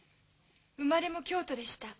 生まれも京都でした。